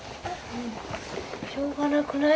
しょうがなくない？